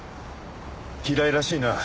平井らしいな。